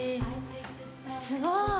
すごい！